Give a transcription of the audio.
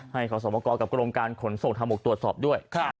ให้ขอสมัครกับกรงการขนส่งธรรมก์ตรวจสอบด้วย